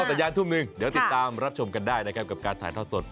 สัญญาณทุ่มหนึ่งเดี๋ยวติดตามรับชมกันได้นะครับกับการถ่ายทอดสด